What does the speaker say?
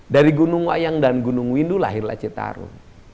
dari gunung wayang dan gunung windu lahirlah citarum